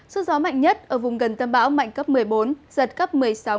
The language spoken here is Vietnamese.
sức gió mạnh nhất ở vùng gần tâm bão mạnh cấp một mươi bốn giật cấp một mươi sáu một mươi bảy